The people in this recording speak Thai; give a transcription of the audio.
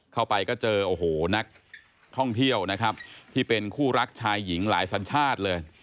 เข้าไปก็เจอโอ้โหนักท่องเที่ยวนะครับที่เป็นคู่รักชายหญิงหลายสัญชาติเลย